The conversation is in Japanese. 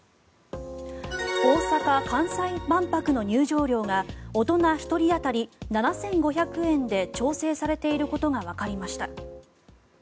大阪・関西万博の入場料が大人１人当たり７５００円で調整されていることがわかりました。